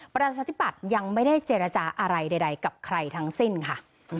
ประชาธิปัตย์ยังไม่ได้เจรจาอะไรใดกับใครทั้งสิ้นค่ะ